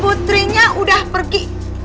putrinya udah pergi